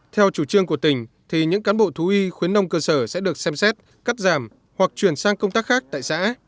theo chủ trương của tỉnh thì những cán bộ thú y khuyến đông cơ sở sẽ được xem xét cắt giảm hoặc chuyển sang công tác khác tại xã